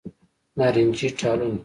نارنجې ټالونه